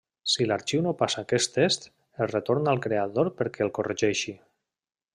Si l'arxiu no passa aquest test, es retorna al creador perquè el corregeixi.